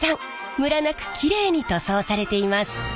ムラなくきれいに塗装されています。